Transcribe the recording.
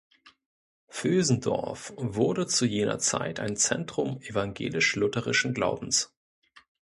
Vösendorf wurde zu jener Zeit ein Zentrum evangelisch-lutherischen Glaubens.